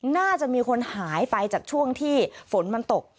น่าจะมีคนหายไปจากช่วงที่ฝนมันตก